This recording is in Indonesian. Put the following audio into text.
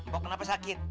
kok kenapa sakit